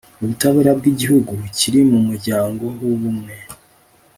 ubutabera bw'igihugu kiri mu muryango w'ubumwe